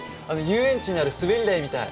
遊園地にある滑り台みたい。